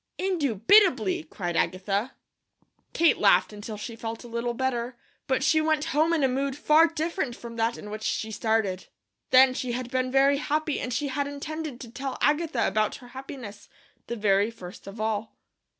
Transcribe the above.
"Indubitably!" cried Agatha. Kate laughed until she felt a little better, but she went home in a mood far different from that in which she started. Then she had been very happy, and she had intended to tell Agatha about her happiness, the very first of all.